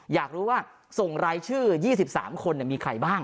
อยากรู้ว่าส่งไลน์ชื่อ๒๓คนเนี่ยมีใครบ้าง